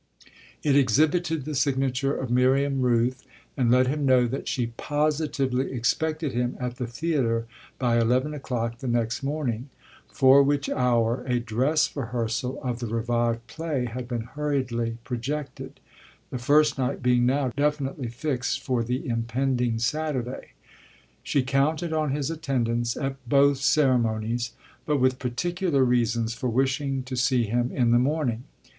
It exhibited the signature of Miriam Rooth and let him know that she positively expected him at the theatre by eleven o'clock the next morning, for which hour a dress rehearsal of the revived play had been hurriedly projected, the first night being now definitely fixed for the impending Saturday. She counted on his attendance at both ceremonies, but with particular reasons for wishing to see him in the morning.